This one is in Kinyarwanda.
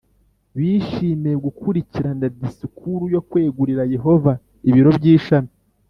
bishimiye gukurikirana disikuru yo kwegurira yehova ibiro by ishami